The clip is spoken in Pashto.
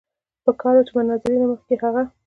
پکار وه چې د مناظرې نه مخکښې هغه